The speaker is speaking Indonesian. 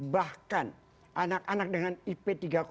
bahkan anak anak dengan ip tiga enam tiga tujuh